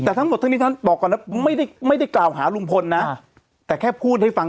แต่ทั้งหมดทางนี้ฉันบอกก่อนนะไม่ใช่กล่าวใาลุงพลนะ